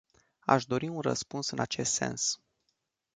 Aș dori un răspuns în acest sens.